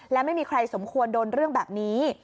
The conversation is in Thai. และไม่มีใครสมควรโดนเรื่องแบบนี้